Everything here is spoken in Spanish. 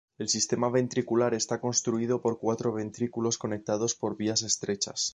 El sistema ventricular está constituido por cuatro ventrículos conectados por vías estrechas.